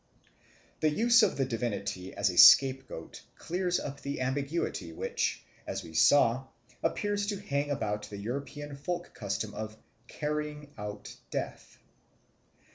The use of the divinity as a scapegoat clears up the ambiguity which, as we saw, appears to hang about the European folk custom of "carrying out Death."